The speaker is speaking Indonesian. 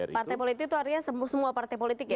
partai politik itu artinya semua partai politik ya